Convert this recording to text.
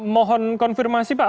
mohon konfirmasi pak